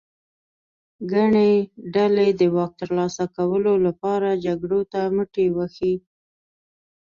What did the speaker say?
ګڼې ډلې د واک ترلاسه کولو لپاره جګړو ته مټې وهي.